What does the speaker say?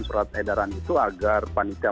surat edaran itu agar panitia